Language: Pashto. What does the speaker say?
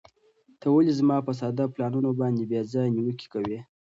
ته ولې زما په ساده پلانونو باندې بې ځایه نیوکې کوې؟